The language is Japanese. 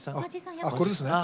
あこれですね。